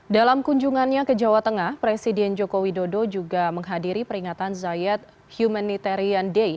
dalam kunjungannya ke jawa tengah presiden joko widodo juga menghadiri peringatan zayad humanitarian day